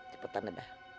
cepetan deh dah